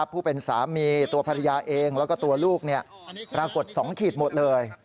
ผู้เป็นสามีตัวภรรยาเองแล้วก็ตัวลูกปรากฏ๒ขีดหมดเลย